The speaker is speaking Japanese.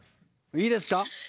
いいですか？